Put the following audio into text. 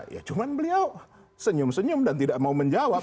ya cuma beliau senyum senyum dan tidak mau menjawab